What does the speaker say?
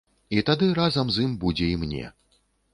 І тады разам з ім будзе і мне.